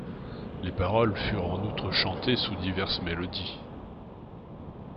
Les paroles furent en outre chantées sous diverses mélodies.